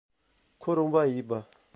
Corumbaíba